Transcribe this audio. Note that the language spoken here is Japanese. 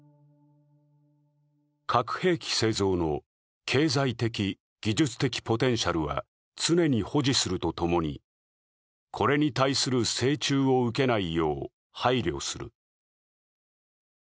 核兵器製造の経済的・技術的ポテンシャルは常に保持するとともにこれに対する掣肘を受けないよう配慮する。